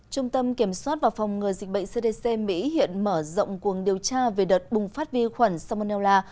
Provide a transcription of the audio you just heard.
trung tâm kiểm soát và phòng ngừa dịch bệnh cdc mỹ hiện mở rộng cuồng điều tra về đợt bùng phát vi khuẩn salmonella